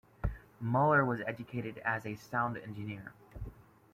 Muller was educated as a sound engineer.